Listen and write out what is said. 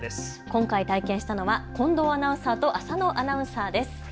今回、体験したのは近藤アナウンサーと浅野アナウンサーです。